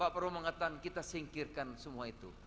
pak prabowo mengatakan kita singkirkan semua itu